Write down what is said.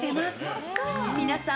［皆さん。